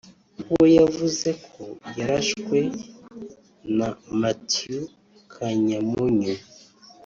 we yavuze ko yarashwe na Mathew Kanyamunyu